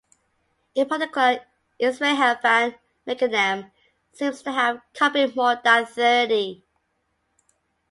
In particular, Israhel van Meckenem seems to have copied more than thirty.